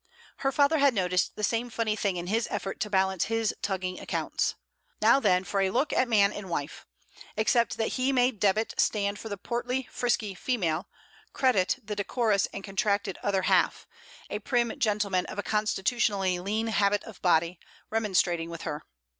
Her father had noticed the same funny thing in his effort to balance his tugging accounts: 'Now then for a look at Man and Wife': except that he made Debit stand for the portly frisky female, Credit the decorous and contracted other half, a prim gentleman of a constitutionally lean habit of body, remonstrating with her.